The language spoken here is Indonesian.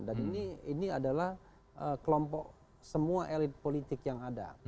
dan ini adalah kelompok semua elit politik yang ada